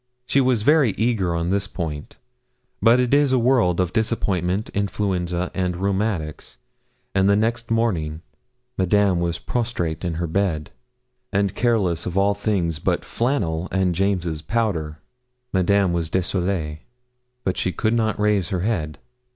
She was very eager on this point. But it is a world of disappointment, influenza, and rheumatics; and next morning Madame was prostrate in her bed, and careless of all things but flannel and James's powder. Madame was désolée; but she could not raise her head.